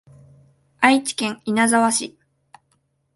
愛知県稲沢市